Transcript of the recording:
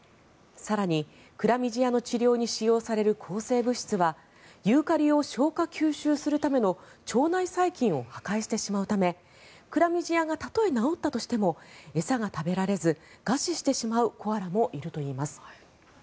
更に、クラミジアの治療に使用される抗生物質はユーカリを消化吸収するための腸内細菌を破壊してしまうためクラミジアがたとえ治ったとしても餌が食べられず餓死してしまうコアラもいるといいます。